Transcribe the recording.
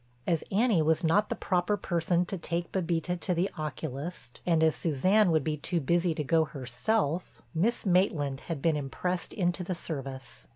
As Annie was not the proper person to take Bébita to the oculist, and as Suzanne would be too busy to go herself, Miss Maitland had been impressed into the service.